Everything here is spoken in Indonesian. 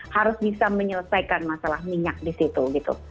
harus bisa menyelesaikan masalah minyak di situ gitu